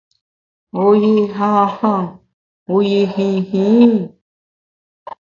Wu yi han han wu yi hin hin ?